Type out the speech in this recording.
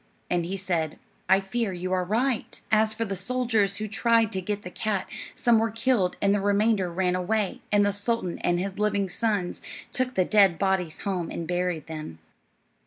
And he said, "I fear you are right." As for the soldiers who tried to get the cat, some were killed and the remainder ran away, and the sultan and his living sons took the dead bodies home and buried them.